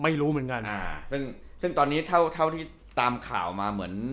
ไม่รู้เหมือนกันซึ่งตอนนี้เท่าที่ตามข่าวมาเหมือน